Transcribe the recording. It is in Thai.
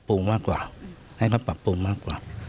ก็พยายามจะให้เขาปรับปรุงมากกว่า